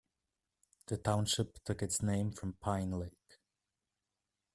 The township took its name from Pine Lake.